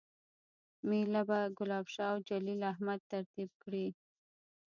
میله به ګلاب شاه اوجلیل احمد ترتیب کړي